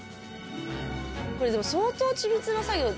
これでも相当緻密な作業ですよね。